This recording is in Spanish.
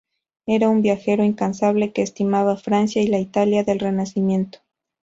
Era un viajero incansable que estimaba Francia y la Italia del Renacimiento.